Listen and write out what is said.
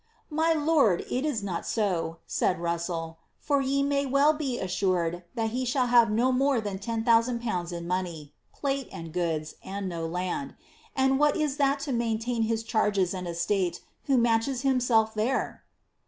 ^ My lord, it is not so," said Russell ;^ for ye may be well assured that he shall have no more than ten thousand pounds in money, plate, and goods, and no land ; and what is that to maintain his charges and estate, who matches himself there